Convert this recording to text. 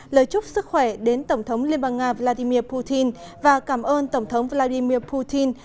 lời chúc sức khỏe đến tổng thống liên bang nga vladimir putin và cảm ơn tổng thống vladimir putin